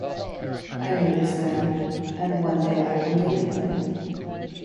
I know this man, and one day I will name him.